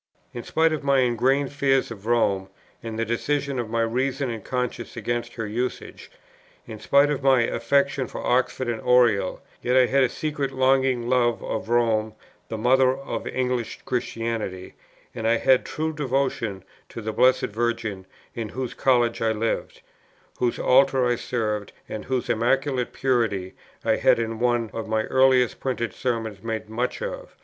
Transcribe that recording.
In spite of my ingrained fears of Rome, and the decision of my reason and conscience against her usages, in spite of my affection for Oxford and Oriel, yet I had a secret longing love of Rome the Mother of English Christianity, and I had a true devotion to the Blessed Virgin, in whose College I lived, whose Altar I served, and whose Immaculate Purity I had in one of my earliest printed Sermons made much of.